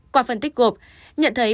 qua phân tích gộp nhận thấy